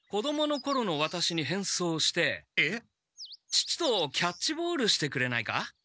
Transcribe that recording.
父とキャッチボールしてくれないか？